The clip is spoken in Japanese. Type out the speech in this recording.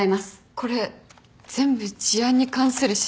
これ全部事案に関する資料だよ。